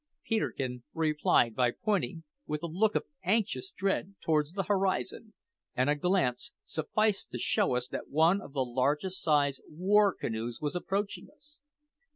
Peterkin replied by pointing, with a look of anxious dread, towards the horizon; and a glance sufficed to show us that one of the largest sized war canoes was approaching us!